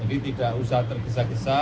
jadi tidak usah tergesa gesa